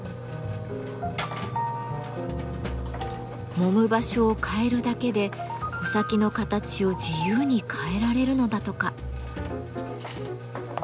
もむ場所を変えるだけで穂先の形を自由に変えられるのだとか。